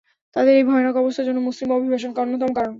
তাদের এই ভয়ানক অবস্থার জন্য মুসলিম অভিবাসন অন্যতম কারণ।